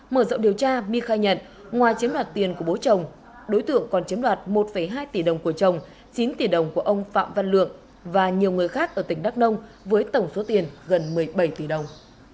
mở rộng điều tra my khai nhận ngoài chiếm đoạt tiền của bố chồng đối tượng còn chiếm đoạt một hai tỷ đồng của chồng chín tỷ đồng của ông phạm văn lượng và nhiều người khác ở tỉnh đắk nông với tổng số tiền gần một mươi bảy tỷ đồng